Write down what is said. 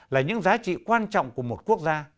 là những giá trị quan trọng của một quốc gia